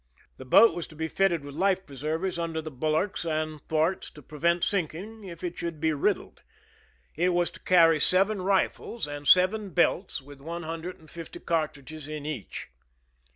The boat was to be fitted with life preservers under the bulwarks and thwarts to prevent sinking if it should l»e riddled. It was to carry seven rifles, and seven belts with one hundred and fifty car tridges in each.